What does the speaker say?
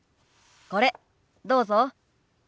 これどうぞ。